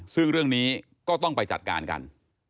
ซึ่งเรื่องนี้ก็ต้องไปจัดการกัน